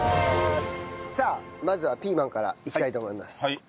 さあまずはピーマンからいきたいと思います。